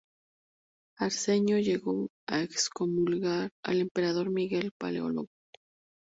Arsenio llegó a excomulgar al emperador Miguel Paleólogo.